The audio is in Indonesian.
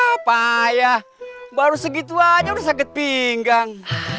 apa ya baru segitu aja udah sakit pinggang